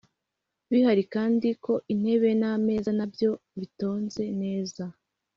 bihari kandi ko intebe n ameza na byo bitenze neza